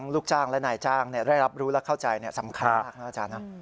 ลูกจ้างและหน่ายจ้างได้รับรู้และเข้าใจสำคัญมาก